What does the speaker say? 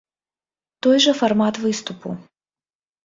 Той жа фармат выступу.